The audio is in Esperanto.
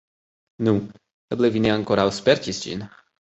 Nu, eble vi ne ankoraŭ spertis ĝin.